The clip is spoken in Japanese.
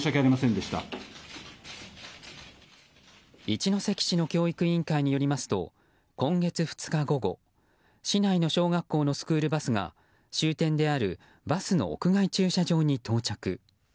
一関市の教育委員会によりますと今月２日午後市内の小学校のスクールバスが終点であるバスの屋外駐車場に到着。